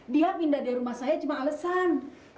dia pindah dari rumah saya cuma alasan